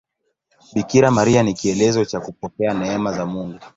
Bikira Maria ni kielelezo cha kupokea neema za Mungu.